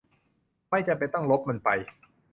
ไม่จำเป็นต้องลบมันไป